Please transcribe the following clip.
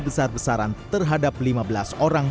besar besaran terhadap lima belas orang